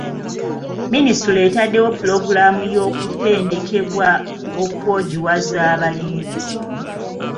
Minisitule etaddewo pulogulaamu y'okutendekebwa okwojiwaza abalimi.